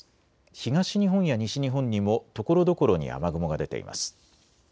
東日本や西日本にもところどころに雨雲が出ています。